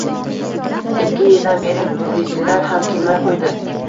Ikki yildan beri gruzinlar ham kelmay qo‘ydi.